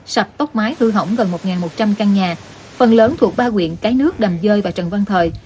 sập tốc mái hư hỏng gần một một trăm linh căn nhà phần lớn thuộc ba quyện cái nước đầm dơi và trần văn thời